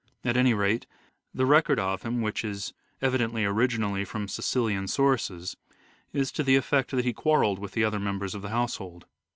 At any rate, the record of him, which is evidently originally from Cecilian sources, is to the effect that he quarrelled with the other members of the household.